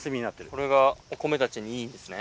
これがお米たちにいいんですね。